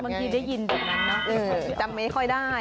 ได้ยินแบบนั้นนะจำไม่ค่อยได้